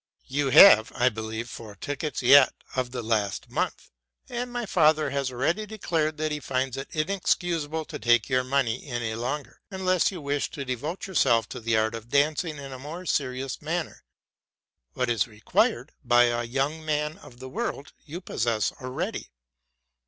You have, I believe, four tickets yet of the last month: and my father has already declared that he finds it inexcusable to take your money any longer, unless you wish to devote yourself to the art of dancing in a more serious manner; what is required by a young man of the world you possess already.